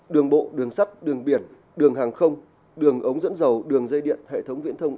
đường bộ đường sắt đường biển đường hàng không đường ống dẫn dầu đường dây điện hệ thống viễn thông